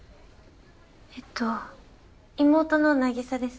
えっと妹の凪沙です。